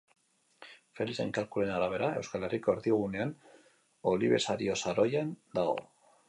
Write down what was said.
Felixen kalkuluen arabera, Euskal Herriko erdigunean Olibesario saroian dago.